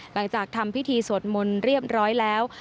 หลังจากทำพิธีสวดมนต์เรียบร้อยแล้ว